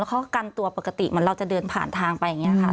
เขากันตัวปกติเหมือนเราจะเดินผ่านทางไปอย่างนี้ค่ะ